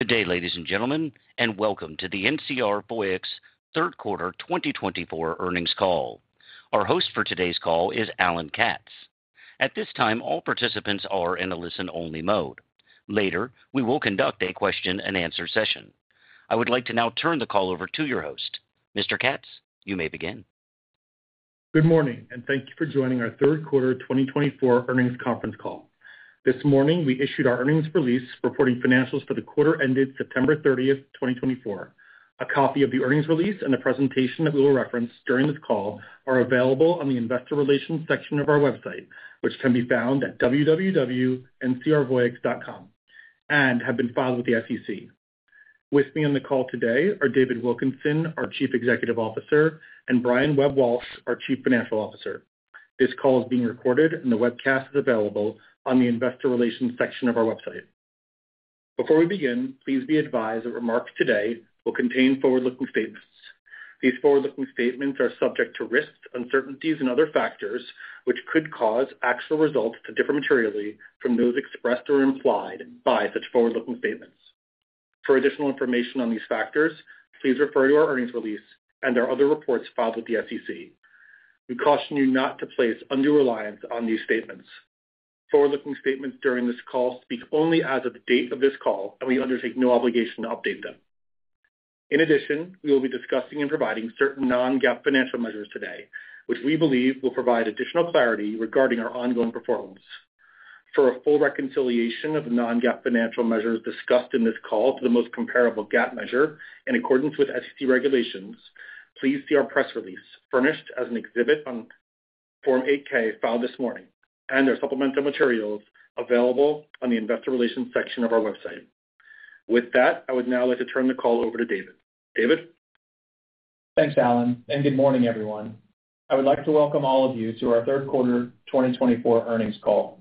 Good day, ladies and gentlemen, and welcome to the NCR Voyix third quarter 2024 earnings call. Our host for today's call is Alan Katz. At this time, all participants are in a listen-only mode. Later, we will conduct a question-and-answer session. I would like to now turn the call over to your host. Mr. Katz, you may begin. Good morning, and thank you for joining our third quarter 2024 earnings conference call. This morning, we issued our earnings release, reporting financials for the quarter ended September 30, 2024. A copy of the earnings release and the presentation that we will reference during this call are available on the investor relations section of our website, which can be found at www.ncrvoyix.com, and have been filed with the SEC. With me on the call today are David Wilkinson, our Chief Executive Officer, and Brian Webb-Walsh, our Chief Financial Officer. This call is being recorded, and the webcast is available on the investor relations section of our website. Before we begin, please be advised that remarks today will contain forward-looking statements. These forward-looking statements are subject to risks, uncertainties, and other factors which could cause actual results to differ materially from those expressed or implied by such forward-looking statements. For additional information on these factors, please refer to our earnings release and our other reports filed with the SEC. We caution you not to place undue reliance on these statements. Forward-looking statements during this call speak only as of the date of this call, and we undertake no obligation to update them. In addition, we will be discussing and providing certain non-GAAP financial measures today, which we believe will provide additional clarity regarding our ongoing performance. For a full reconciliation of the non-GAAP financial measures discussed in this call to the most comparable GAAP measure in accordance with SEC regulations, please see our press release furnished as an exhibit on Form 8-K filed this morning, and there are supplemental materials available on the investor relations section of our website. With that, I would now like to turn the call over to David. David? Thanks, Alan, and good morning, everyone. I would like to welcome all of you to our third quarter 2024 earnings call.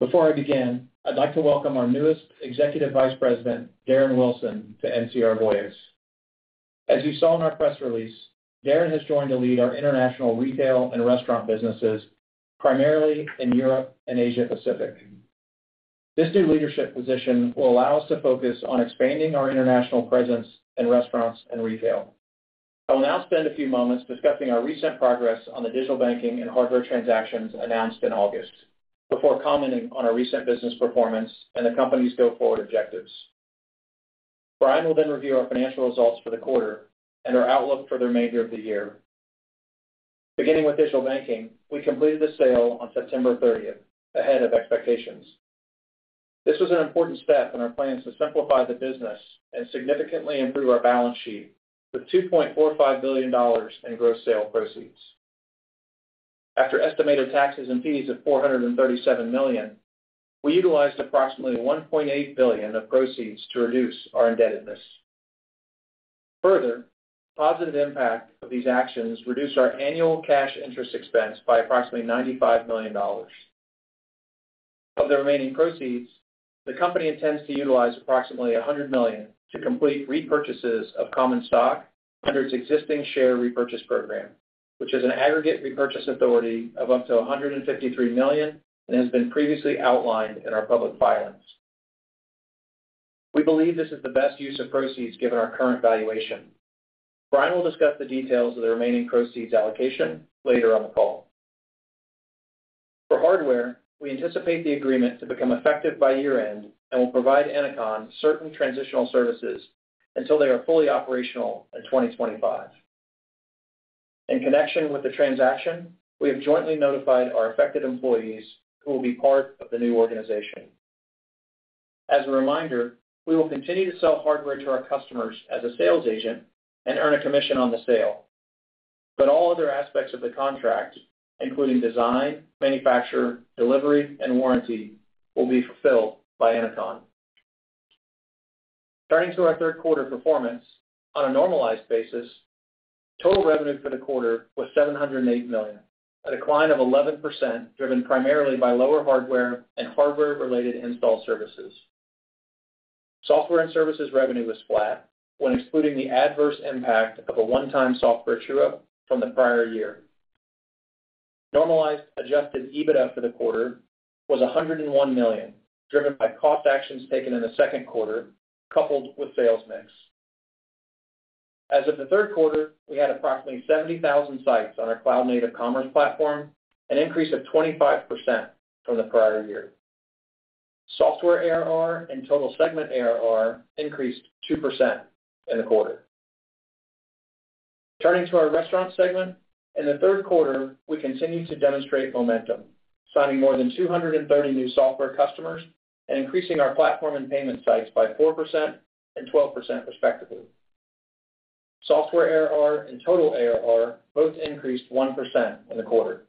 Before I begin, I'd like to welcome our newest Executive Vice President, Darren Wilson, to NCR Voyix. As you saw in our press release, Darren has joined to lead our international retail and restaurant businesses, primarily in Europe and Asia-Pacific. This new leadership position will allow us to focus on expanding our international presence in restaurants and retail. I will now spend a few moments discussing our recent progress on the digital banking and hardware transactions announced in August, before commenting on our recent business performance and the company's go-forward objectives. Brian will then review our financial results for the quarter and our outlook for the remainder of the year. Beginning with digital banking, we completed the sale on September 30, ahead of expectations. This was an important step in our plans to simplify the business and significantly improve our balance sheet with $2.45 billion in gross sales proceeds. After estimated taxes and fees of $437 million, we utilized approximately $1.8 billion of proceeds to reduce our indebtedness. Further, the positive impact of these actions reduced our annual cash interest expense by approximately $95 million. Of the remaining proceeds, the company intends to utilize approximately $100 million to complete repurchases of common stock under its existing share repurchase program, which is an aggregate repurchase authority of up to $153 million and has been previously outlined in our public filings. We believe this is the best use of proceeds given our current valuation. Brian will discuss the details of the remaining proceeds allocation later on the call. For hardware, we anticipate the agreement to become effective by year-end and will provide Ennoconn certain transitional services until they are fully operational in 2025. In connection with the transaction, we have jointly notified our affected employees who will be part of the new organization. As a reminder, we will continue to sell hardware to our customers as a sales agent and earn a commission on the sale. But all other aspects of the contract, including design, manufacture, delivery, and warranty, will be fulfilled by Ennoconn. Turning to our third quarter performance, on a normalized basis, total revenue for the quarter was $708 million, a decline of 11% driven primarily by lower hardware and hardware-related install services. Software and services revenue was flat when excluding the adverse impact of a one-time software true-up from the prior year. Normalized Adjusted EBITDA for the quarter was $101 million, driven by cost actions taken in the second quarter coupled with sales mix. As of the third quarter, we had approximately 70,000 sites on our cloud-native commerce platform, an increase of 25% from the prior year. Software ARR and total segment ARR increased 2% in the quarter. Turning to our restaurant segment, in the third quarter, we continued to demonstrate momentum, signing more than 230 new software customers and increasing our platform and payment sites by 4% and 12%, respectively. Software ARR and total ARR both increased 1% in the quarter.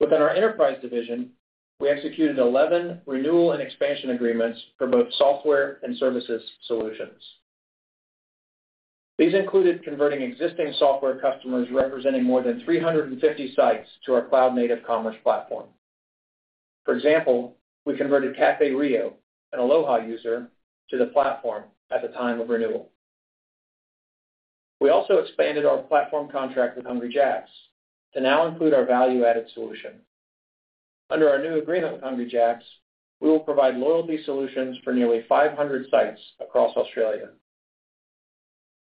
Within our enterprise division, we executed 11 renewal and expansion agreements for both software and services solutions. These included converting existing software customers representing more than 350 sites to our cloud-native commerce platform. For example, we converted Café Rio, an Aloha user, to the platform at the time of renewal. We also expanded our platform contract with Hungry Jack's to now include our value-added solution. Under our new agreement with Hungry Jack's, we will provide loyalty solutions for nearly 500 sites across Australia.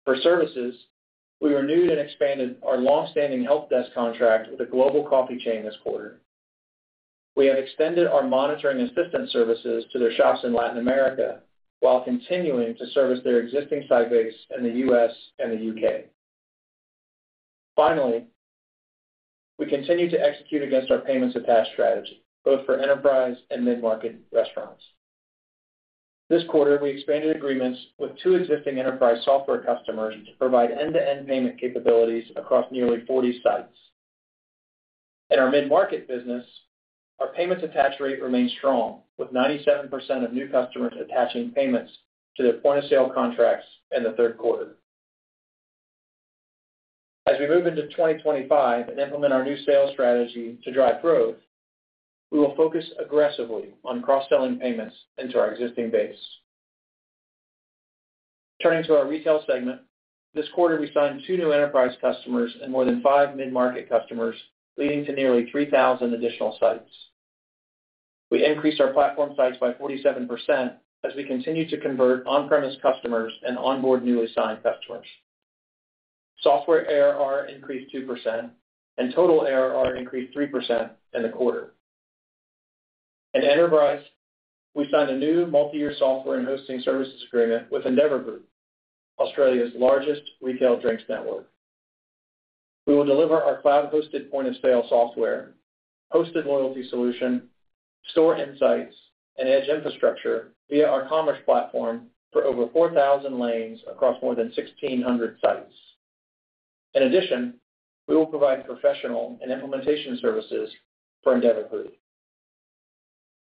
For services, we renewed and expanded our long-standing help desk contract with a global coffee chain this quarter. We have extended our monitoring assistance services to their shops in Latin America while continuing to service their existing site base in the U.S. and the U.K. Finally, we continue to execute against our payments-attached strategy, both for enterprise and mid-market restaurants. This quarter, we expanded agreements with two existing enterprise software customers to provide end-to-end payment capabilities across nearly 40 sites. In our mid-market business, our payments-attached rate remains strong, with 97% of new customers attaching payments to their point-of-sale contracts in the third quarter. As we move into 2025 and implement our new sales strategy to drive growth, we will focus aggressively on cross-selling payments into our existing base. Turning to our retail segment, this quarter we signed two new enterprise customers and more than five mid-market customers, leading to nearly 3,000 additional sites. We increased our platform sites by 47% as we continue to convert on-premise customers and onboard newly signed customers. Software ARR increased 2%, and total ARR increased 3% in the quarter. In enterprise, we signed a new multi-year software and hosting services agreement with Endeavour Group, Australia's largest retail drinks network. We will deliver our cloud-hosted point-of-sale software, hosted loyalty solution, store insights, and edge infrastructure via our commerce platform for over 4,000 lanes across more than 1,600 sites. In addition, we will provide professional and implementation services for Endeavour Group.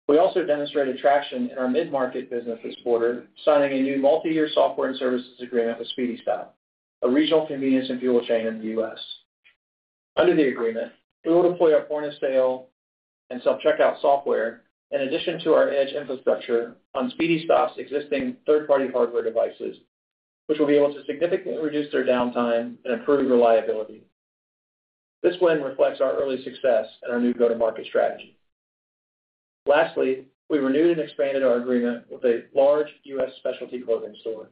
We also demonstrated traction in our mid-market business this quarter, signing a new multi-year software and services agreement with Speedy Stop, a regional convenience and fuel chain in the U.S. Under the agreement, we will deploy our point-of-sale and self-checkout software in addition to our edge infrastructure on Speedy Stop's existing third-party hardware devices, which will be able to significantly reduce their downtime and improve reliability. This win reflects our early success in our new go-to-market strategy. Lastly, we renewed and expanded our agreement with a large U.S. specialty clothing store.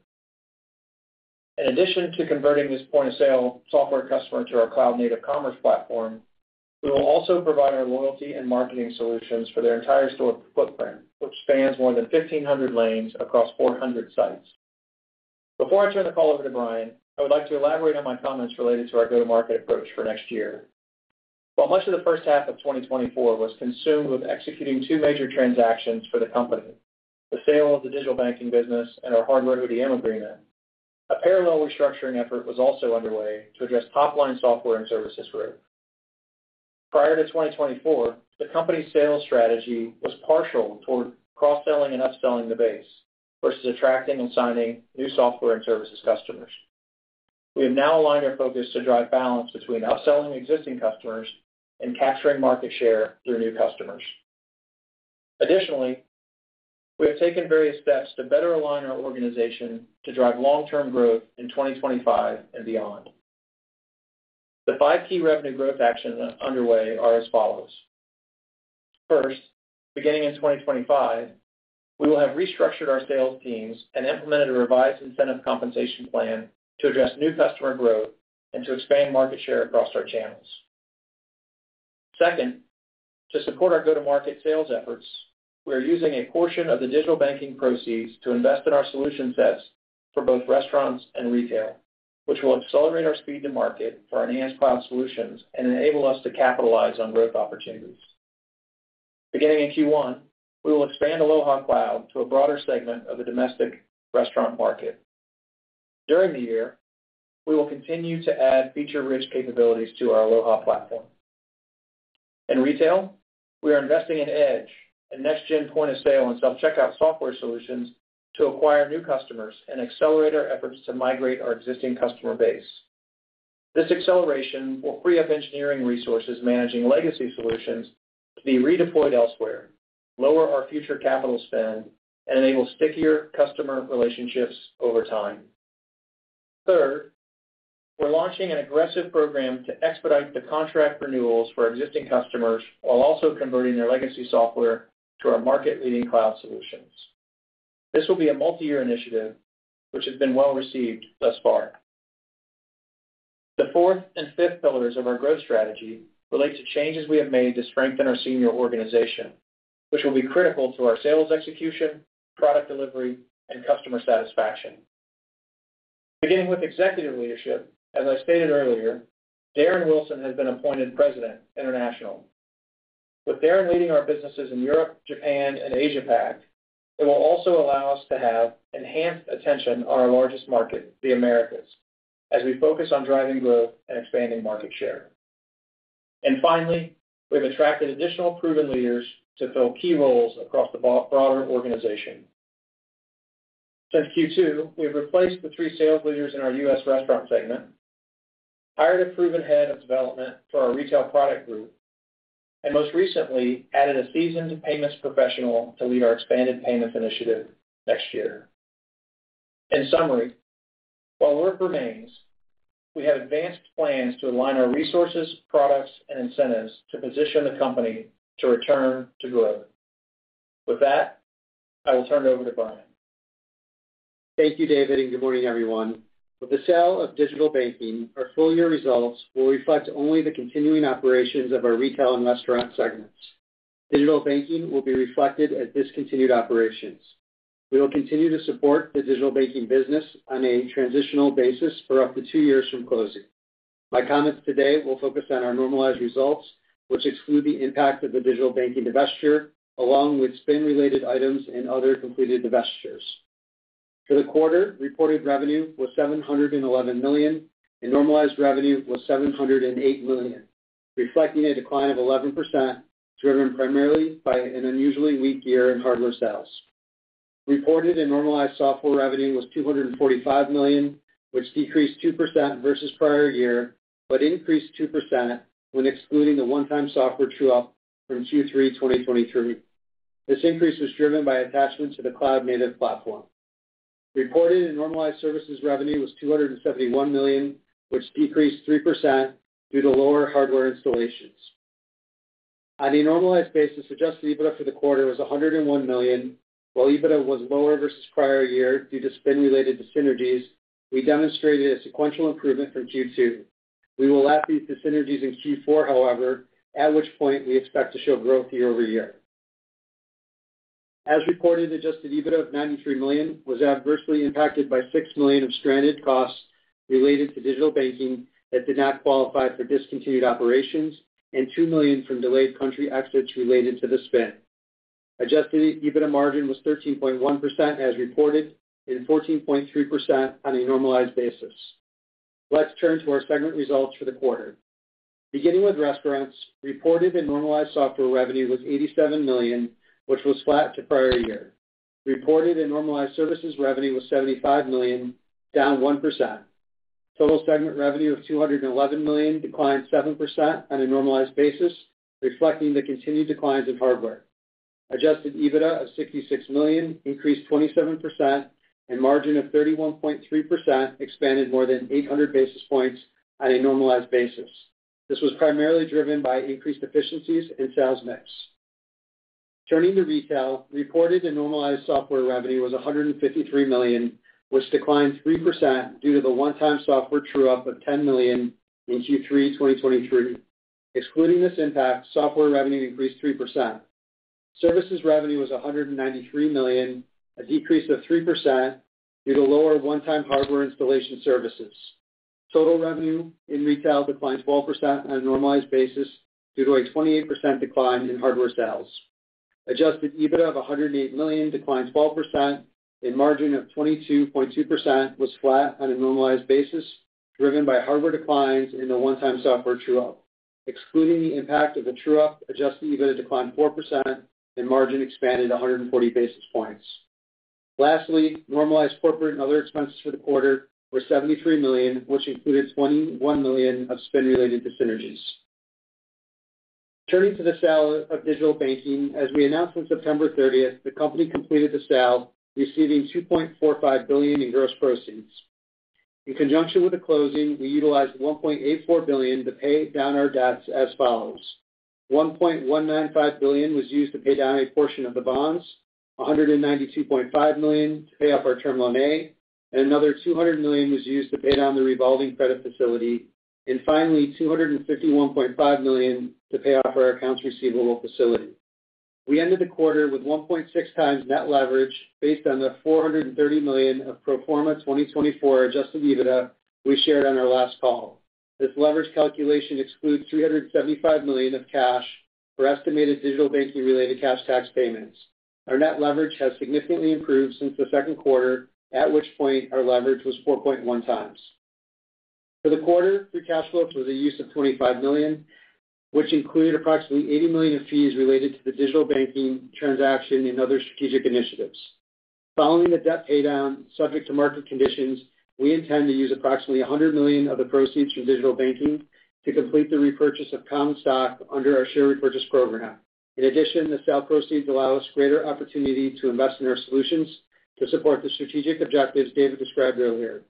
In addition to converting this point-of-sale software customer to our cloud-native commerce platform, we will also provide our loyalty and marketing solutions for their entire store footprint, which spans more than 1,500 lanes across 400 sites. Before I turn the call over to Brian, I would like to elaborate on my comments related to our go-to-market approach for next year. While much of the first half of 2024 was consumed with executing two major transactions for the company, the sale of the digital banking business and our hardware to the Ennoconn agreement, a parallel restructuring effort was also underway to address top-line software and services growth. Prior to 2024, the company's sales strategy was partial toward cross-selling and upselling the base versus attracting and signing new software and services customers. We have now aligned our focus to drive balance between upselling existing customers and capturing market share through new customers. Additionally, we have taken various steps to better align our organization to drive long-term growth in 2025 and beyond. The five key revenue growth actions underway are as follows. First, beginning in 2025, we will have restructured our sales teams and implemented a revised incentive compensation plan to address new customer growth and to expand market share across our channels. Second, to support our go-to-market sales efforts, we are using a portion of the digital banking proceeds to invest in our solution sets for both restaurants and retail, which will accelerate our speed to market for enhanced cloud solutions and enable us to capitalize on growth opportunities. Beginning in Q1, we will expand Aloha Cloud to a broader segment of the domestic restaurant market. During the year, we will continue to add feature-rich capabilities to our Aloha Platform. In retail, we are investing in edge and next-gen point-of-sale and self-checkout software solutions to acquire new customers and accelerate our efforts to migrate our existing customer base. This acceleration will free up engineering resources managing legacy solutions to be redeployed elsewhere, lower our future capital spend, and enable stickier customer relationships over time. Third, we're launching an aggressive program to expedite the contract renewals for existing customers while also converting their legacy software to our market-leading cloud solutions. This will be a multi-year initiative, which has been well received thus far. The fourth and fifth pillars of our growth strategy relate to changes we have made to strengthen our senior organization, which will be critical to our sales execution, product delivery, and customer satisfaction. Beginning with executive leadership, as I stated earlier, Darren Wilson has been appointed President International. With Darren leading our businesses in Europe, Japan, and Asia-Pac, it will also allow us to have enhanced attention on our largest market, the Americas, as we focus on driving growth and expanding market share. And finally, we have attracted additional proven leaders to fill key roles across the broader organization. Since Q2, we have replaced the three sales leaders in our U.S. restaurant segment, hired a proven head of development for our retail product group, and most recently added a seasoned payments professional to lead our expanded payments initiative next year. In summary, while work remains, we have advanced plans to align our resources, products, and incentives to position the company to return to growth. With that, I will turn it over to Brian. Thank you, David, and good morning, everyone. With the sale of digital banking, our full-year results will reflect only the continuing operations of our retail and restaurant segments. Digital banking will be reflected as discontinued operations. We will continue to support the digital banking business on a transitional basis for up to two years from closing. My comments today will focus on our normalized results, which exclude the impact of the digital banking divestiture, along with spin-related items and other completed divestitures. For the quarter, reported revenue was $711 million, and normalized revenue was $708 million, reflecting a decline of 11% driven primarily by an unusually weak year in hardware sales. Reported and normalized software revenue was $245 million, which decreased 2% versus prior year but increased 2% when excluding the one-time software true-up from Q3 2023. This increase was driven by attachment to the cloud-native platform. Reported and normalized services revenue was $271 million, which decreased 3% due to lower hardware installations. On a normalized basis, adjusted EBITDA for the quarter was $101 million, while EBITDA was lower versus prior year due to spin-related dis-synergies. We demonstrated a sequential improvement from Q2. We will lap these dis-synergies in Q4, however, at which point we expect to show growth year over year. As reported, Adjusted EBITDA of $93 million was adversely impacted by $6 million of stranded costs related to digital banking that did not qualify for discontinued operations and $2 million from delayed country exits related to the spin. Adjusted EBITDA margin was 13.1% as reported and 14.3% on a normalized basis. Let's turn to our segment results for the quarter. Beginning with restaurants, reported and normalized software revenue was $87 million, which was flat to prior year. Reported and normalized services revenue was $75 million, down 1%. Total segment revenue of $211 million declined 7% on a normalized basis, reflecting the continued declines in hardware. Adjusted EBITDA of $66 million increased 27%, and margin of 31.3% expanded more than 800 basis points on a normalized basis. This was primarily driven by increased efficiencies and sales mix. Turning to retail, reported and normalized software revenue was $153 million, which declined 3% due to the one-time software true-up of $10 million in Q3 2023. Excluding this impact, software revenue increased 3%. Services revenue was $193 million, a decrease of 3% due to lower one-time hardware installation services. Total revenue in retail declined 12% on a normalized basis due to a 28% decline in hardware sales. Adjusted EBITDA of $108 million declined 12%, and margin of 22.2% was flat on a normalized basis driven by hardware declines and the one-time software true-up. Excluding the impact of the true-up, adjusted EBITDA declined 4%, and margin expanded 140 basis points. Lastly, normalized corporate and other expenses for the quarter were $73 million, which included $21 million of spin-related dis-synergies. Turning to the sale of digital banking, as we announced on September 30th, the company completed the sale, receiving $2.45 billion in gross proceeds. In conjunction with the closing, we utilized $1.84 billion to pay down our debts as follows. $1.195 billion was used to pay down a portion of the bonds, $192.5 million to pay off our Term Loan A, and another $200 million was used to pay down the revolving credit facility, and finally, $251.5 million to pay off our accounts receivable facility. We ended the quarter with 1.6x net leverage based on the $430 million of pro forma 2024 Adjusted EBITDA we shared on our last call. This leverage calculation excludes $375 million of cash for estimated digital banking-related cash tax payments. Our net leverage has significantly improved since the second quarter, at which point our leverage was 4.1x. For the quarter, operating cash flows was a use of $25 million, which included approximately $80 million of fees related to the digital banking transaction and other strategic initiatives. Following the debt paydown subject to market conditions, we intend to use approximately $100 million of the proceeds from digital banking to complete the repurchase of common stock under our share repurchase program. In addition, the sale proceeds allow us greater opportunity to invest in our solutions to support the strategic objectives David described earlier.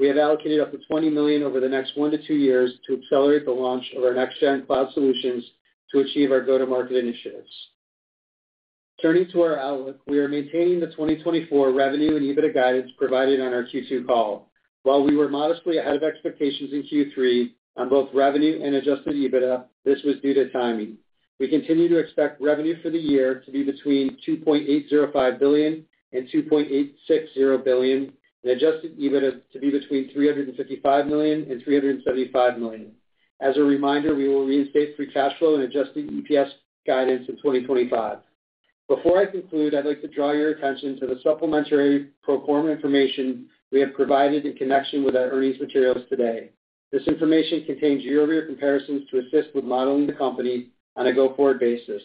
We have allocated up to $20 million over the next one to two years to accelerate the launch of our next-gen cloud solutions to achieve our go-to-market initiatives. Turning to our outlook, we are maintaining the 2024 revenue and EBITDA guidance provided on our Q2 call. While we were modestly ahead of expectations in Q3 on both revenue and adjusted EBITDA, this was due to timing. We continue to expect revenue for the year to be between $2.805 billion and $2.860 billion, and adjusted EBITDA to be between $355 million and $375 million. As a reminder, we will reinstate free cash flow and adjusted EPS guidance in 2025. Before I conclude, I'd like to draw your attention to the supplementary pro forma information we have provided in connection with our earnings materials today. This information contains year-over-year comparisons to assist with modeling the company on a go-forward basis.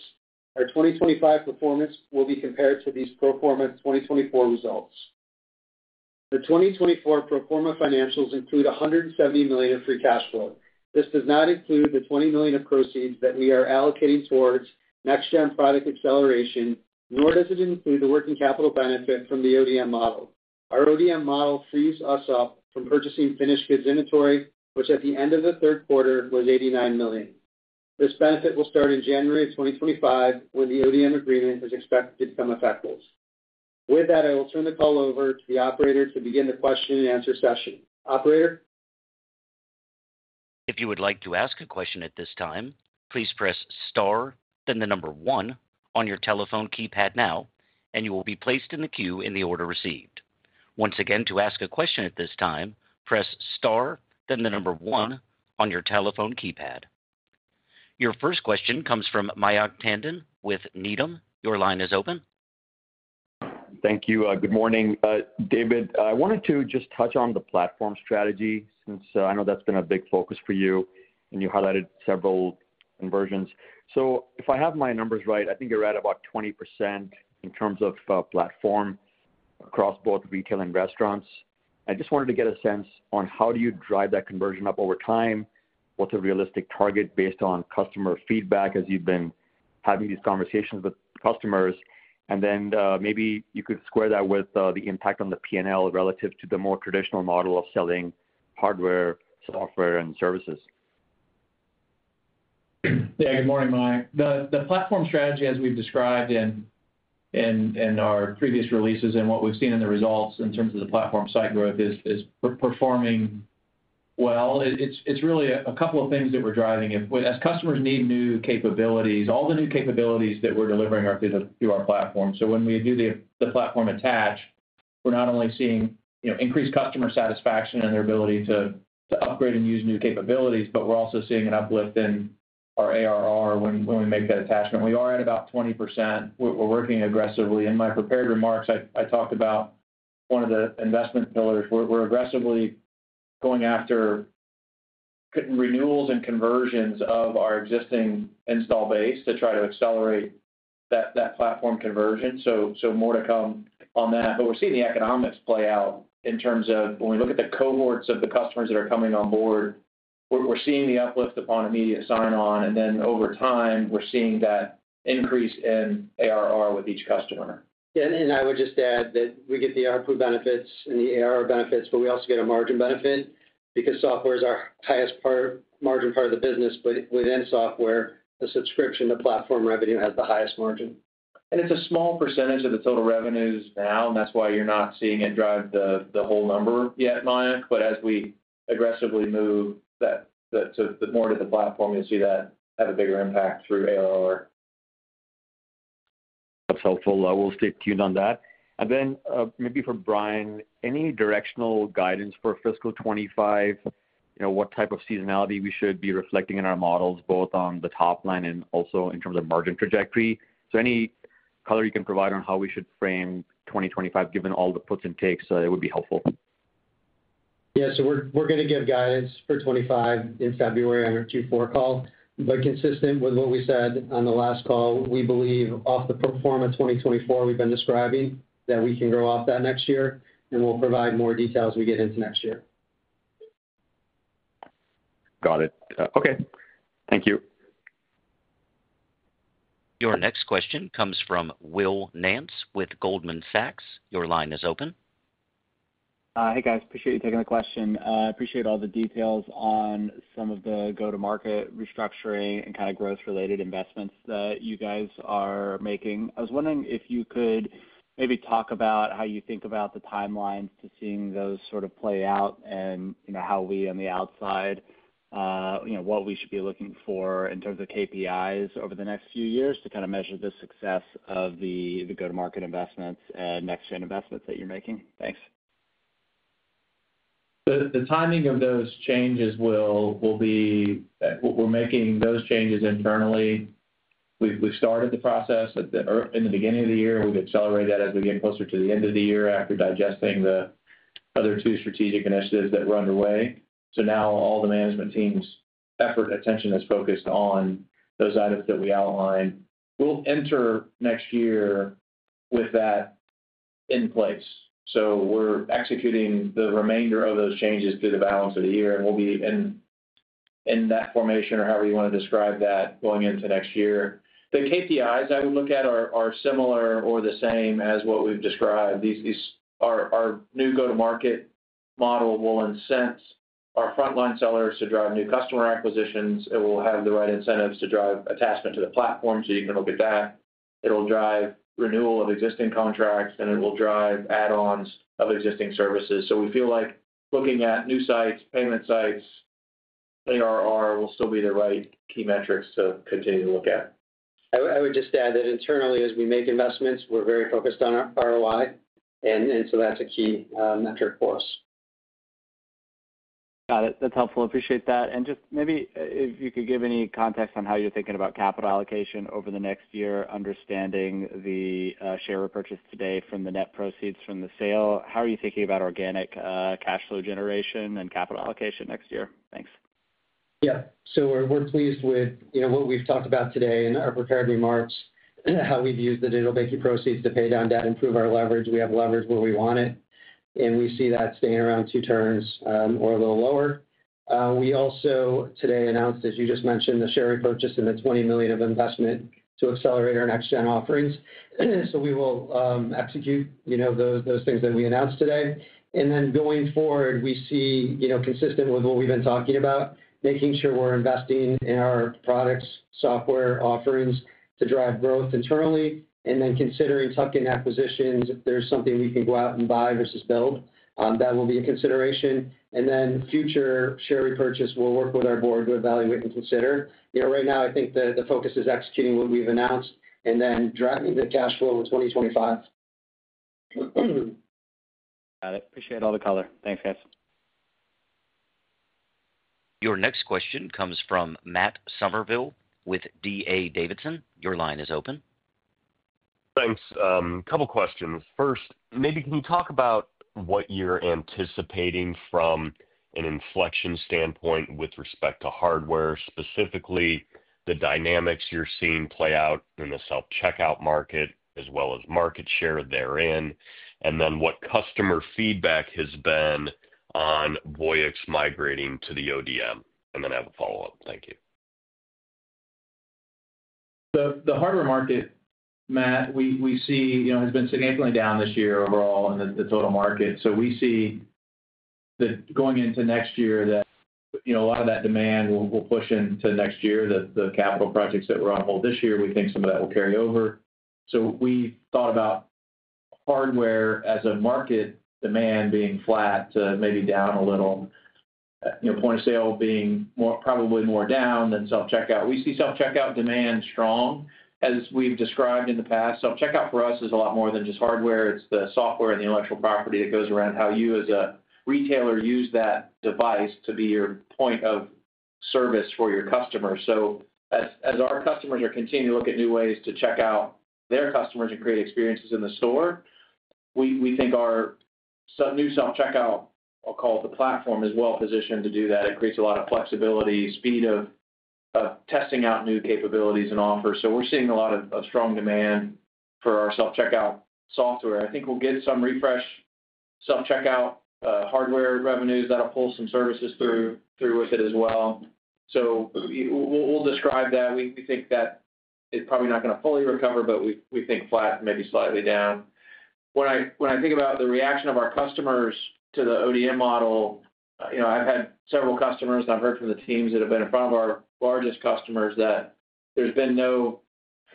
Our 2025 performance will be compared to these pro forma 2024 results. The 2024 pro forma financials include $170 million of free cash flow. This does not include the $20 million of proceeds that we are allocating towards next-gen product acceleration, nor does it include the working capital benefit from the ODM model. Our ODM model frees us up from purchasing finished goods inventory, which at the end of the third quarter was $89 million. This benefit will start in January of 2025 when the ODM agreement is expected to become effective. With that, I will turn the call over to the operator to begin the question-and-answer session. Operator? If you would like to ask a question at this time, please press star, then the number one on your telephone keypad now, and you will be placed in the queue in the order received. Once again, to ask a question at this time, press star, then the number one on your telephone keypad. Your first question comes from Mayank Tandon with Needham. Your line is open. Thank you. Good morning, David. I wanted to just touch on the platform strategy since I know that's been a big focus for you, and you highlighted several conversions. So if I have my numbers right, I think you're at about 20% in terms of platform across both retail and restaurants. I just wanted to get a sense on how do you drive that conversion up over time, what's a realistic target based on customer feedback as you've been having these conversations with customers, and then maybe you could square that with the impact on the P&L relative to the more traditional model of selling hardware, software, and services. Yeah, good morning, Mayank. The platform strategy, as we've described in our previous releases and what we've seen in the results in terms of the platform site growth, is performing well. It's really a couple of things that we're driving. As customers need new capabilities, all the new capabilities that we're delivering are through our platform. So when we do the platform attach, we're not only seeing increased customer satisfaction and their ability to upgrade and use new capabilities, but we're also seeing an uplift in our ARR when we make that attachment. We are at about 20%. We're working aggressively. In my prepared remarks, I talked about one of the investment pillars. We're aggressively going after renewals and conversions of our existing install base to try to accelerate that platform conversion. So more to come on that. But we're seeing the economics play out in terms of when we look at the cohorts of the customers that are coming on board, we're seeing the uplift upon immediate sign-on, and then over time, we're seeing that increase in ARR with each customer. Yeah, and I would just add that we get the ARPU benefits and the ARR benefits, but we also get a margin benefit because software is our highest margin part of the business. But within software, the subscription to platform revenue has the highest margin. And it's a small percentage of the total revenues now, and that's why you're not seeing it drive the whole number yet, Mayank. But as we aggressively move more to the platform, you'll see that have a bigger impact through ARR. That's helpful. I will stay tuned on that. And then maybe for Brian, any directional guidance for fiscal 2025, what type of seasonality we should be reflecting in our models, both on the top line and also in terms of margin trajectory? So any color you can provide on how we should frame 2025, given all the puts and takes, it would be helpful. Yeah, so we're going to give guidance for 2025 in February on our Q4 call. But consistent with what we said on the last call, we believe off the pro forma 2024 we've been describing that we can grow off that next year, and we'll provide more details as we get into next year. Got it. Okay. Thank you. Your next question comes from Will Nance with Goldman Sachs. Your line is open. Hey, guys. Appreciate you taking the question. I appreciate all the details on some of the go-to-market, restructuring, and kind of growth-related investments that you guys are making. I was wondering if you could maybe talk about how you think about the timelines to seeing those sort of play out and how we on the outside, what we should be looking for in terms of KPIs over the next few years to kind of measure the success of the go-to-market investments and next-gen investments that you're making? Thanks. The timing of those changes will be. We're making those changes internally. We've started the process in the beginning of the year. We've accelerated that as we get closer to the end of the year after digesting the other two strategic initiatives that were underway. So now all the management team's effort attention is focused on those items that we outlined. We'll enter next year with that in place. So we're executing the remainder of those changes through the balance of the year, and we'll be in that formation or however you want to describe that going into next year. The KPIs I would look at are similar or the same as what we've described. Our new go-to-market model will incent our frontline sellers to drive new customer acquisitions. It will have the right incentives to drive attachment to the platform, so you can look at that. It'll drive renewal of existing contracts, and it will drive add-ons of existing services. So we feel like looking at new sites, payment sites, ARR will still be the right key metrics to continue to look at. I would just add that internally, as we make investments, we're very focused on ROI, and so that's a key metric for us. Got it. That's helpful. Appreciate that. And just maybe if you could give any context on how you're thinking about capital allocation over the next year, understanding the share repurchase today from the net proceeds from the sale. How are you thinking about organic cash flow generation and capital allocation next year? Thanks. Yeah. We're pleased with what we've talked about today in our prepared remarks, how we've used the digital banking proceeds to pay down debt, improve our leverage. We have leverage where we want it, and we see that staying around two turns or a little lower. We also today announced, as you just mentioned, the share repurchase and the $20 million of investment to accelerate our next-gen offerings. We will execute those things that we announced today. And then going forward, we see consistent with what we've been talking about, making sure we're investing in our products, software offerings to drive growth internally, and then considering tuck-in acquisitions. If there's something we can go out and buy versus build, that will be a consideration. And then future share repurchase, we'll work with our board to evaluate and consider. Right now, I think the focus is executing what we've announced and then driving the cash flow in 2025. Got it. Appreciate all the color. Thanks, guys. Your next question comes from Matt Somerville with D.A. Davidson. Your line is open. Thanks. A couple of questions. First, maybe can you talk about what you're anticipating from an inflection standpoint with respect to hardware, specifically the dynamics you're seeing play out in the self-checkout market as well as market share therein, and then what customer feedback has been on Voyix migrating to the ODM? And then I have a follow-up. Thank you. The hardware market, Matt, we see has been significantly down this year overall in the total market. So we see that going into next year, a lot of that demand will push into next year. The capital projects that were on hold this year, we think some of that will carry over. So we thought about hardware as a market demand being flat to maybe down a little, point of sale being probably more down than self-checkout. We see self-checkout demand strong, as we've described in the past. Self-checkout for us is a lot more than just hardware. It's the software and the intellectual property that goes around how you, as a retailer, use that device to be your point of service for your customers. So as our customers are continuing to look at new ways to check out their customers and create experiences in the store, we think our new self-checkout, I'll call it the platform, is well-positioned to do that. It creates a lot of flexibility, speed of testing out new capabilities and offers. So we're seeing a lot of strong demand for our self-checkout software. I think we'll get some refresh self-checkout hardware revenues that'll pull some services through with it as well. So we'll describe that. We think that it's probably not going to fully recover, but we think flat, maybe slightly down. When I think about the reaction of our customers to the ODM model, I've had several customers, and I've heard from the teams that have been in front of our largest customers that there's been no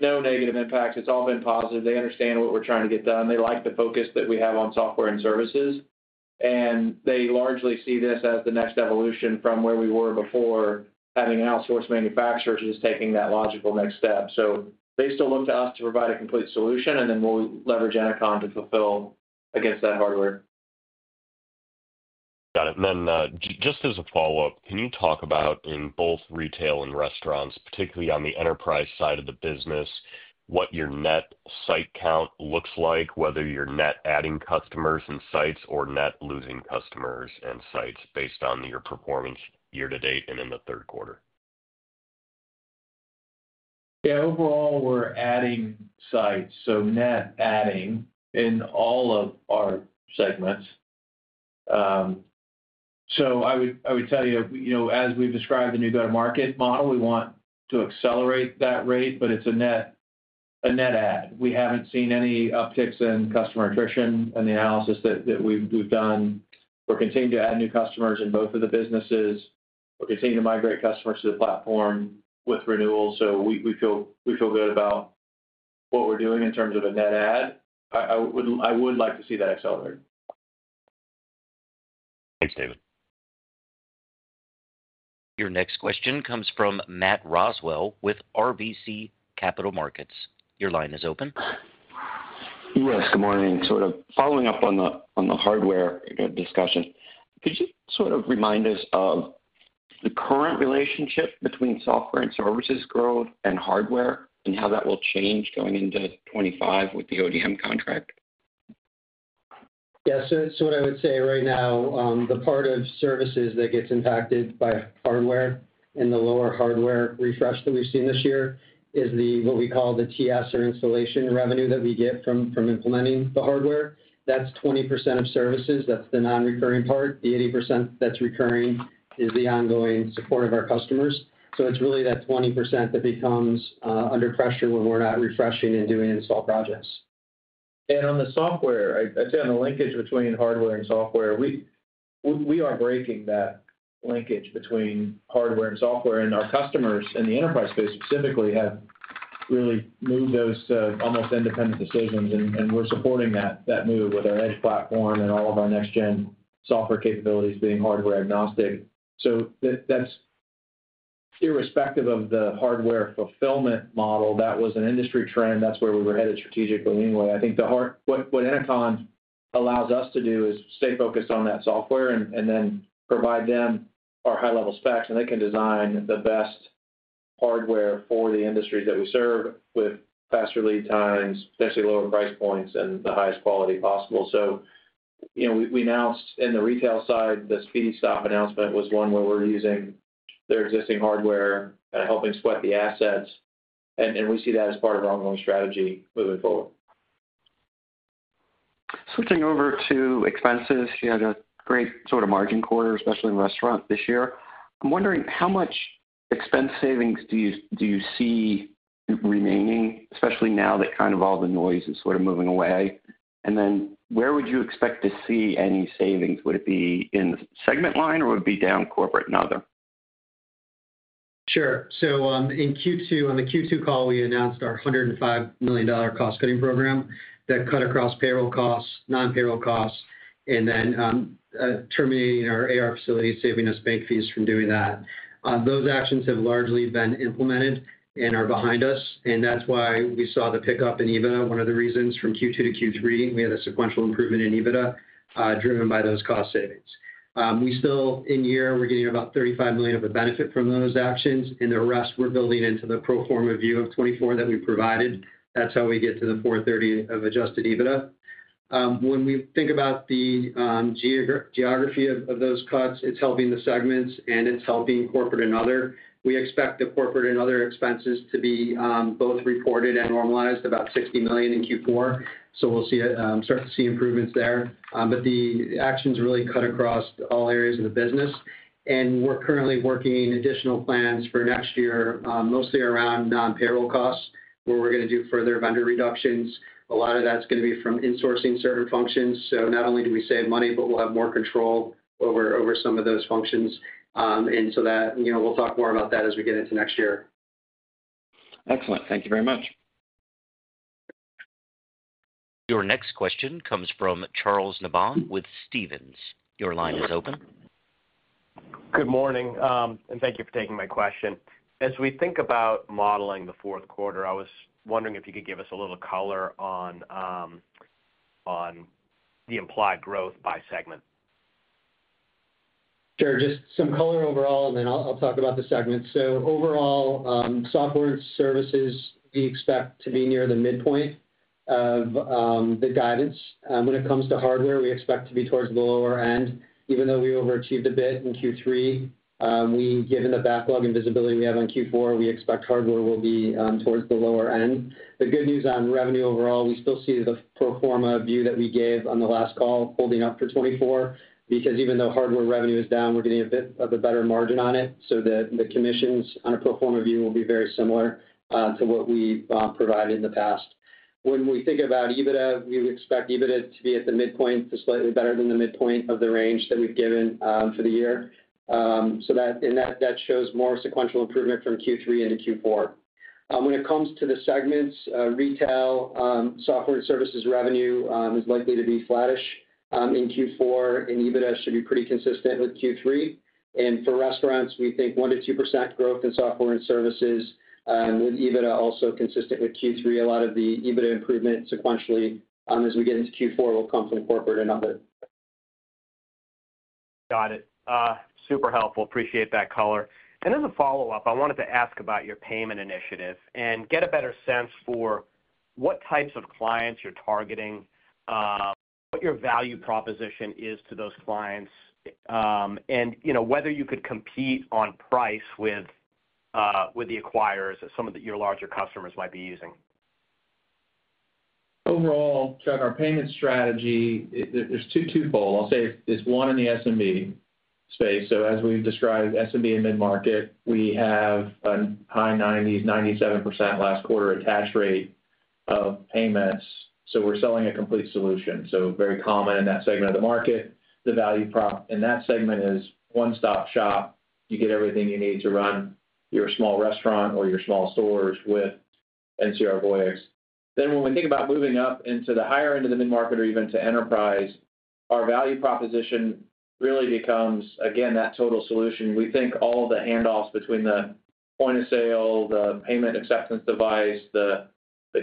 negative impacts. It's all been positive. They understand what we're trying to get done. They like the focus that we have on software and services, and they largely see this as the next evolution from where we were before having an outsourced manufacturer just taking that logical next step. So they still look to us to provide a complete solution, and then we'll leverage Ennoconn to fulfill against that hardware. Got it. And then just as a follow-up, can you talk about in both retail and restaurants, particularly on the enterprise side of the business, what your net site count looks like, whether you're net adding customers and sites or net losing customers and sites based on your performance year to date and in the third quarter? Yeah. Overall, we're adding sites, so net adding in all of our segments. So I would tell you, as we've described the new go-to-market model, we want to accelerate that rate, but it's a net add. We haven't seen any upticks in customer attrition in the analysis that we've done. We're continuing to add new customers in both of the businesses. We're continuing to migrate customers to the platform with renewals. So we feel good about what we're doing in terms of a net add. I would like to see that accelerate. Thanks, David. Your next question comes from Matt Roswell with RBC Capital Markets. Your line is open. Yes. Good morning. Sort of following up on the hardware discussion, could you sort of remind us of the current relationship between software and services growth and hardware and how that will change going into 2025 with the ODM contract? Yeah. So what I would say right now, the part of services that gets impacted by hardware and the lower hardware refresh that we've seen this year is what we call the TS or installation revenue that we get from implementing the hardware. That's 20% of services. That's the non-recurring part. The 80% that's recurring is the ongoing support of our customers. So it's really that 20% that becomes under pressure when we're not refreshing and doing install projects. On the software, I'd say on the linkage between hardware and software, we are breaking that linkage between hardware and software, and our customers in the enterprise space specifically have really moved those to almost independent decisions, and we're supporting that move with our edge platform and all of our next-gen software capabilities being hardware agnostic. That's irrespective of the hardware fulfillment model. That was an industry trend. That's where we were headed strategically anyway. I think what Ennoconn allows us to do is stay focused on that software and then provide them our high-level specs, and they can design the best hardware for the industries that we serve with faster lead times, potentially lower price points, and the highest quality possible. So we announced in the retail side, the Speedy Stop announcement was one where we're using their existing hardware and helping sweat the assets, and we see that as part of our ongoing strategy moving forward. Switching over to expenses, you had a great sort of margin quarter, especially in restaurants this year. I'm wondering how much expense savings do you see remaining, especially now that kind of all the noise is sort of moving away? And then where would you expect to see any savings? Would it be in the segment line, or would it be down corporate and other? Sure. So in Q2, on the Q2 call, we announced our $105 million cost-cutting program that cut across payroll costs, non-payroll costs, and then terminating our AR facilities, saving us bank fees from doing that. Those actions have largely been implemented and are behind us, and that's why we saw the pickup in EBITDA. One of the reasons from Q2 to Q3, we had a sequential improvement in EBITDA driven by those cost savings. We still, in year, we're getting about $35 million of a benefit from those actions, and the rest we're building into the pro forma view of 2024 that we provided. That's how we get to the $430 of adjusted EBITDA. When we think about the geography of those cuts, it's helping the segments, and it's helping corporate and other. We expect the corporate and other expenses to be both reported and normalized about $60 million in Q4. So we'll start to see improvements there. But the actions really cut across all areas of the business, and we're currently working additional plans for next year, mostly around non-payroll costs, where we're going to do further vendor reductions. A lot of that's going to be from insourcing certain functions. So not only do we save money, but we'll have more control over some of those functions. And so we'll talk more about that as we get into next year. Excellent. Thank you very much. Your next question comes from Charles Nabhan with Stephens. Your line is open. Good morning, and thank you for taking my question. As we think about modeling the fourth quarter, I was wondering if you could give us a little color on the implied growth by segment. Sure. Just some color overall, and then I'll talk about the segments. Overall, software and services, we expect to be near the midpoint of the guidance. When it comes to hardware, we expect to be towards the lower end. Even though we overachieved a bit in Q3, given the backlog and visibility we have on Q4, we expect hardware will be towards the lower end. The good news on revenue overall, we still see the pro forma view that we gave on the last call holding up for 2024 because even though hardware revenue is down, we're getting a bit of a better margin on it. The commissions on a pro forma view will be very similar to what we provided in the past. When we think about EBITDA, we would expect EBITDA to be at the midpoint, slightly better than the midpoint of the range that we've given for the year. That shows more sequential improvement from Q3 into Q4. When it comes to the segments, retail, software and services revenue is likely to be flattish in Q4, and EBITDA should be pretty consistent with Q3. For restaurants, we think 1%-2% growth in software and services with EBITDA also consistent with Q3. A lot of the EBITDA improvement sequentially as we get into Q4 will come from corporate and other. Got it. Super helpful. Appreciate that color. As a follow-up, I wanted to ask about your payment initiative and get a better sense for what types of clients you're targeting, what your value proposition is to those clients, and whether you could compete on price with the acquirers that some of your larger customers might be using. Overall, our payment strategy, there's two-fold. I'll say it's one in the SMB space. So as we've described, SMB and mid-market, we have a high 90s, 97% last quarter attached rate of payments. So we're selling a complete solution. So very common in that segment of the market. The value prop in that segment is one-stop shop. You get everything you need to run your small restaurant or your small stores with NCR Voyix. Then when we think about moving up into the higher end of the mid-market or even to enterprise, our value proposition really becomes, again, that total solution. We think all the handoffs between the point of sale, the payment acceptance device, the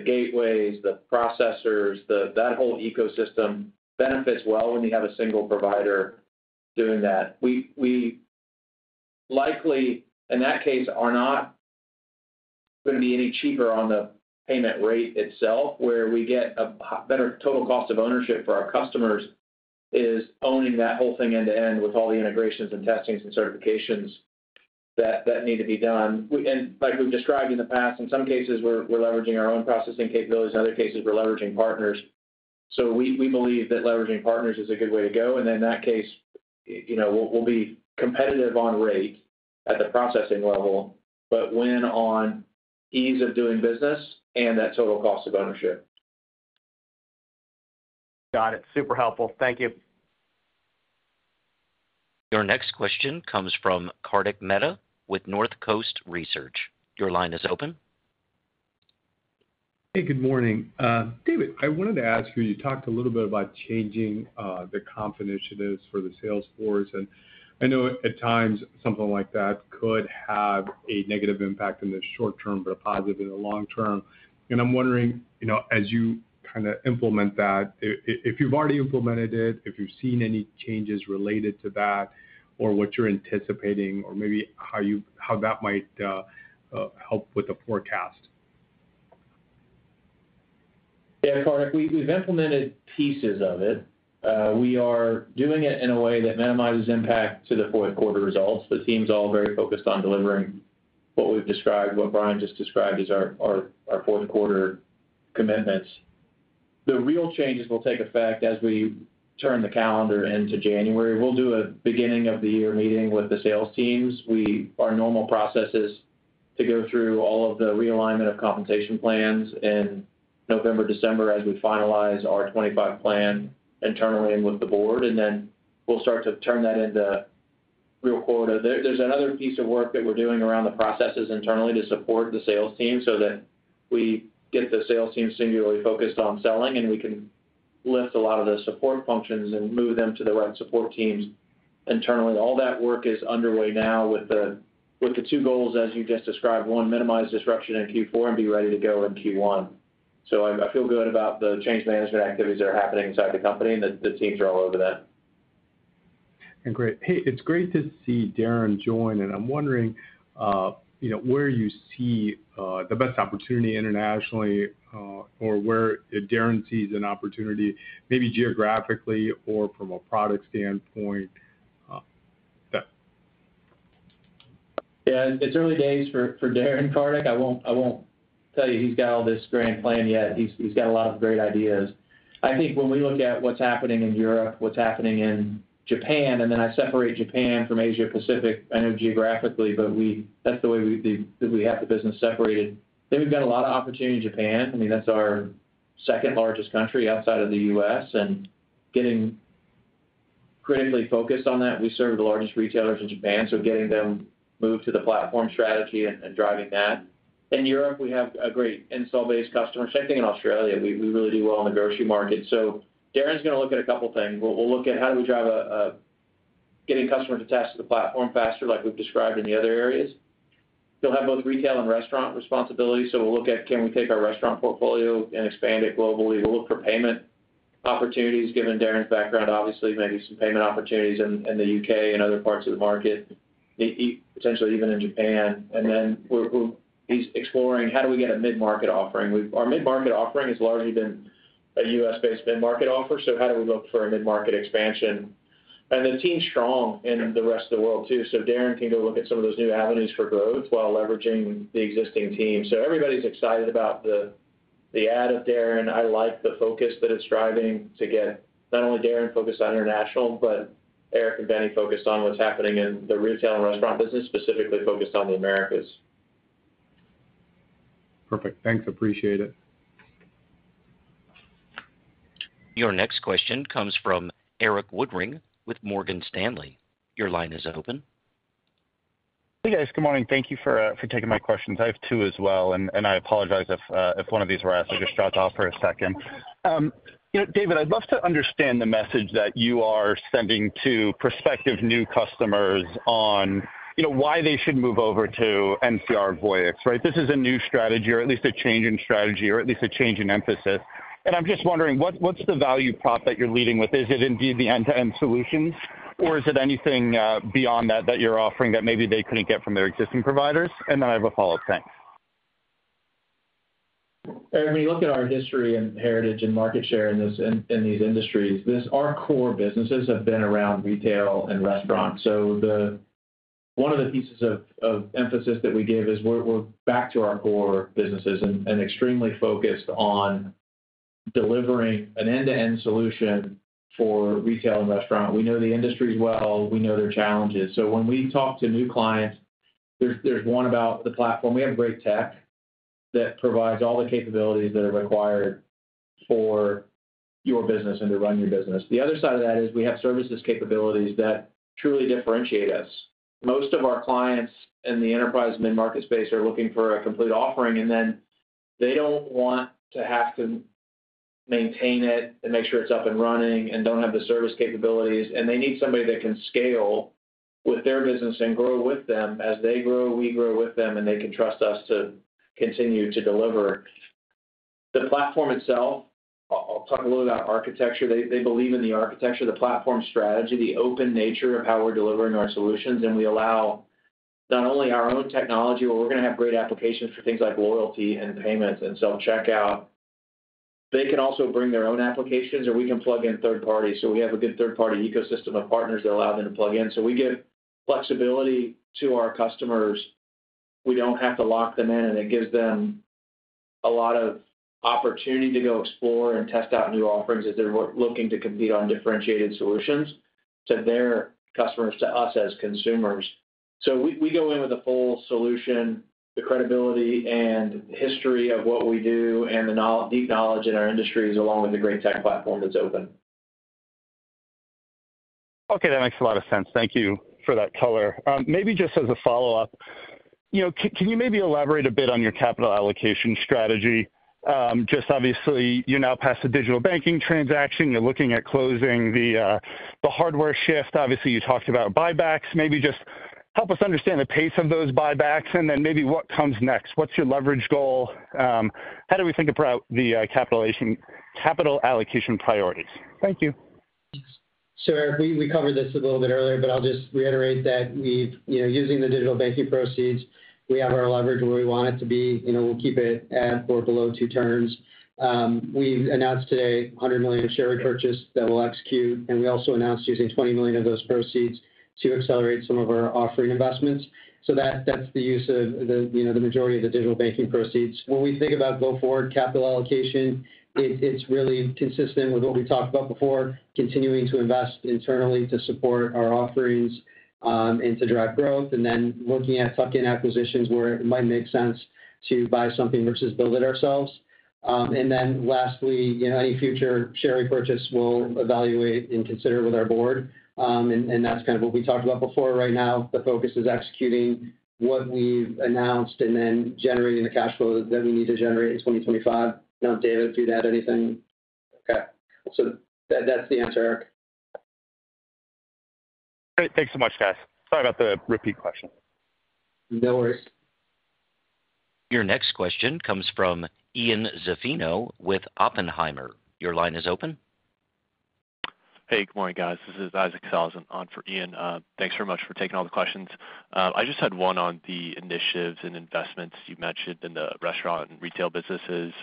gateways, the processors, that whole ecosystem benefits well when you have a single provider doing that. We likely, in that case, are not going to be any cheaper on the payment rate itself where we get a better total cost of ownership for our customers is owning that whole thing end to end with all the integrations and testings and certifications that need to be done, and like we've described in the past, in some cases, we're leveraging our own processing capabilities. In other cases, we're leveraging partners, so we believe that leveraging partners is a good way to go, and in that case, we'll be competitive on rate at the processing level, but win on ease of doing business and that total cost of ownership. Got it. Super helpful. Thank you. Your next question comes from Kartik Mehta with North Coast Research. Your line is open. Hey, good morning. David, I wanted to ask you. You talked a little bit about changing the comp initiatives for the sales force. And I know at times something like that could have a negative impact in the short term, but a positive in the long term. And I'm wondering, as you kind of implement that, if you've already implemented it, if you've seen any changes related to that or what you're anticipating or maybe how that might help with the forecast. Yeah, Kartik, we've implemented pieces of it. We are doing it in a way that minimizes impact to the fourth quarter results. The team's all very focused on delivering what we've described, what Brian just described as our fourth quarter commitments. The real changes will take effect as we turn the calendar into January. We'll do a beginning of the year meeting with the sales teams. Our normal process is to go through all of the realignment of compensation plans in November, December as we finalize our 2025 plan internally and with the board. And then we'll start to turn that into Q1. There's another piece of work that we're doing around the processes internally to support the sales team so that we get the sales team singularly focused on selling, and we can lift a lot of the support functions and move them to the right support teams internally. All that work is underway now with the two goals as you just described. One, minimize disruption in Q4 and be ready to go in Q1. So I feel good about the change management activities that are happening inside the company, and the teams are all over that. Great. Hey, it's great to see Darren join. I'm wondering where you see the best opportunity internationally or where Darren sees an opportunity, maybe geographically or from a product standpoint. Yeah. It's early days for Darren, Kartik. I won't tell you he's got all this grand plan yet. He's got a lot of great ideas. I think when we look at what's happening in Europe, what's happening in Japan, and then I separate Japan from Asia-Pacific. I know geographically, but that's the way we have the business separated. Then we've got a lot of opportunity in Japan. I mean, that's our second largest country outside of the U.S. And getting critically focused on that, we serve the largest retailers in Japan. So getting them moved to the platform strategy and driving that. In Europe, we have great installed-base customers. Same thing in Australia. We really do well in the grocery market. So Darren's going to look at a couple of things. We'll look at how do we drive getting customers attached to the platform faster like we've described in the other areas. He'll have both retail and restaurant responsibilities. So we'll look at can we take our restaurant portfolio and expand it globally. We'll look for payment opportunities given Darren's background, obviously, maybe some payment opportunities in the U.K. and other parts of the market, potentially even in Japan. And then he's exploring how do we get a mid-market offering. Our mid-market offering has largely been a U.S.-based mid-market offer. So how do we look for a mid-market expansion? And the team's strong in the rest of the world too. So Darren can go look at some of those new avenues for growth while leveraging the existing team. So everybody's excited about the add of Darren. I like the focus that it's driving to get not only Darren focused on international, but Eric and Benny focused on what's happening in the retail and restaurant business, specifically focused on the Americas. Perfect. Thanks. Appreciate it. Your next question comes from Erik Woodring with Morgan Stanley. Your line is open. Hey, guys. Good morning. Thank you for taking my questions. I have two as well, and I apologize if one of these were asked. I just dropped off for a second. David, I'd love to understand the message that you are sending to prospective new customers on why they should move over to NCR Voyix, right? This is a new strategy, or at least a change in strategy, or at least a change in emphasis. And I'm just wondering, what's the value prop that you're leading with? Is it indeed the end-to-end solutions, or is it anything beyond that that you're offering that maybe they couldn't get from their existing providers? And then I have a follow-up. Thanks. When you look at our history and heritage and market share in these industries, our core businesses have been around retail and restaurants. So one of the pieces of emphasis that we give is we're back to our core businesses and extremely focused on delivering an end-to-end solution for retail and restaurant. We know the industries well. We know their challenges. So when we talk to new clients, there's one about the platform. We have great tech that provides all the capabilities that are required for your business and to run your business. The other side of that is we have services capabilities that truly differentiate us. Most of our clients in the enterprise mid-market space are looking for a complete offering, and then they don't want to have to maintain it and make sure it's up and running and don't have the service capabilities. And they need somebody that can scale with their business and grow with them. As they grow, we grow with them, and they can trust us to continue to deliver. The platform itself, I'll talk a little about architecture. They believe in the architecture, the platform strategy, the open nature of how we're delivering our solutions. And we allow not only our own technology, where we're going to have great applications for things like loyalty and payments and self-checkout, they can also bring their own applications, or we can plug in third parties. So we have a good third-party ecosystem of partners that allow them to plug in. So we give flexibility to our customers. We don't have to lock them in, and it gives them a lot of opportunity to go explore and test out new offerings as they're looking to compete on differentiated solutions to their customers, to us as consumers. So we go in with a full solution, the credibility and history of what we do, and the deep knowledge in our industries along with the great tech platform that's open. Okay. That makes a lot of sense. Thank you for that color. Maybe just as a follow-up, can you maybe elaborate a bit on your capital allocation strategy? Just obviously, you're now past the digital banking transaction. You're looking at closing the hardware shift. Obviously, you talked about buybacks. Maybe just help us understand the pace of those buybacks and then maybe what comes next. What's your leverage goal? How do we think about the capital allocation priorities? Thank you. So Erik, we covered this a little bit earlier, but I'll just reiterate that using the digital banking proceeds, we have our leverage where we want it to be. We'll keep it at or below two turns. We've announced today $100 million share repurchase that we'll execute. And we also announced using $20 million of those proceeds to accelerate some of our offering investments. So that's the use of the majority of the digital banking proceeds. When we think about go forward capital allocation, it's really consistent with what we talked about before, continuing to invest internally to support our offerings and to drive growth. And then looking at tuck-in acquisitions where it might make sense to buy something versus build it ourselves. And then lastly, any future share repurchase, we'll evaluate and consider with our board. And that's kind of what we talked about before. Right now, the focus is executing what we've announced and then generating the cash flow that we need to generate in 2025. Now, David, do you have anything? Okay. So that's the answer, Eric. Great. Thanks so much, guys. Sorry about the repeat question. No worries. Your next question comes from Ian Zaffino with Oppenheimer. Your line is open. Hey, good morning, guys. This is Isaac Sellhausen on for Ian. Thanks very much for taking all the questions. I just had one on the initiatives and investments you mentioned in the restaurant and retail businesses.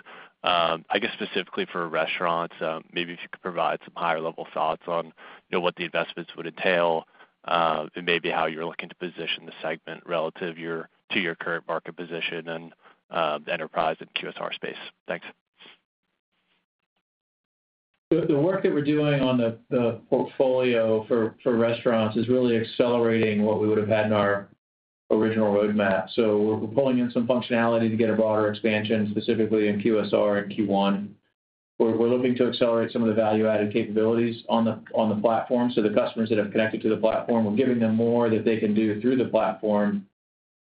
I guess specifically for restaurants, maybe if you could provide some higher-level thoughts on what the investments would entail and maybe how you're looking to position the segment relative to your current market position and the enterprise and QSR space. Thanks. The work that we're doing on the portfolio for restaurants is really accelerating what we would have had in our original roadmap. So we're pulling in some functionality to get a broader expansion, specifically in QSR and Q1. We're looking to accelerate some of the value-added capabilities on the platform. So the customers that have connected to the platform, we're giving them more that they can do through the platform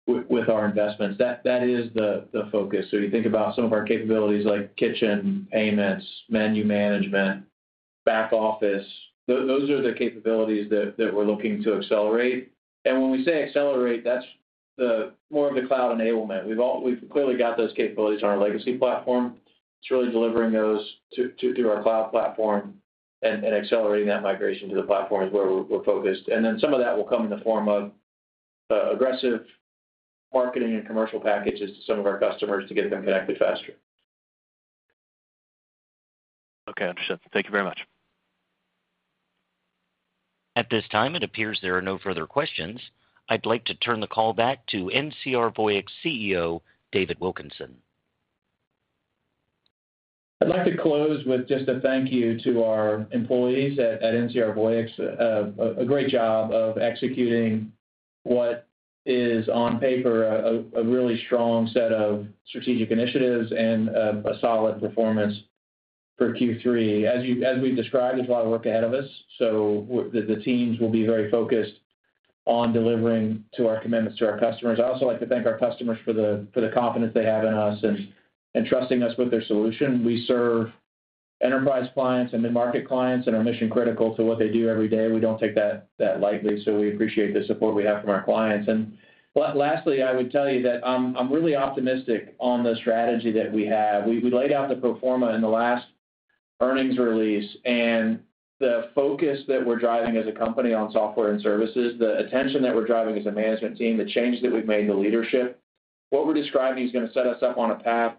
with our investments. That is the focus. So you think about some of our capabilities like kitchen payments, menu management, back office. Those are the capabilities that we're looking to accelerate. And when we say accelerate, that's more of the cloud enablement. We've clearly got those capabilities on our legacy platform. It's really delivering those through our cloud platform and accelerating that migration to the platform is where we're focused. And then some of that will come in the form of aggressive marketing and commercial packages to some of our customers to get them connected faster. Okay. Understood. Thank you very much. At this time, it appears there are no further questions. I'd like to turn the call back to NCR Voyix CEO David Wilkinson. I'd like to close with just a thank you to our employees at NCR Voyix. A great job of executing what is on paper, a really strong set of strategic initiatives and a solid performance for Q3. As we've described, there's a lot of work ahead of us. So the teams will be very focused on delivering to our commitments to our customers. I also like to thank our customers for the confidence they have in us and trusting us with their solution. We serve enterprise clients and mid-market clients, and it's mission critical to what they do every day. We don't take that lightly. So we appreciate the support we have from our clients. And lastly, I would tell you that I'm really optimistic on the strategy that we have. We laid out the pro forma in the last earnings release, and the focus that we're driving as a company on software and services, the attention that we're driving as a management team, the change that we've made to leadership, what we're describing is going to set us up on a path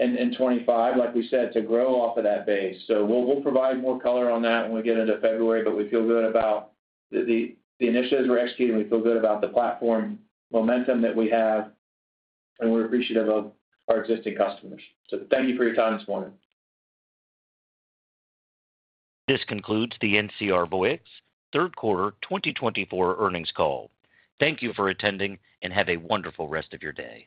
in 2025, like we said, to grow off of that base. So we'll provide more color on that when we get into February, but we feel good about the initiatives we're executing. We feel good about the platform momentum that we have, and we're appreciative of our existing customers. So thank you for your time this morning. This concludes the NCR Voyix Third Quarter 2024 Earnings call. Thank you for attending and have a wonderful rest of your day.